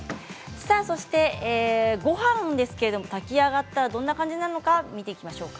そして、ごはんですけれども炊き上がったらどんな感じなのか見ていきましょうか。